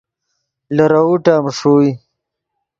لیروؤ ٹیم ݰوئے